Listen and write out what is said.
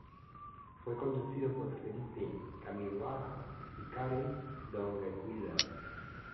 Fue conducido por Felipe Camiroaga y Karen Doggenweiler.